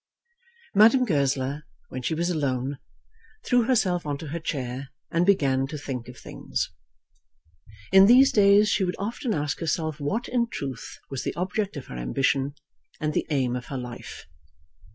Madame Goesler, when she was alone, threw herself on to her chair and began to think of things. In these days she would often ask herself what in truth was the object of her ambition, and the aim of her life.